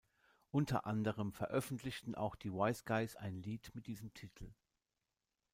Unter anderem veröffentlichten auch die Wise Guys ein Lied mit diesem Titel.